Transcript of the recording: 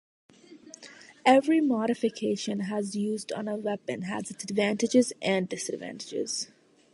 Every modification has used on a weapon has its advantages and disadvantages.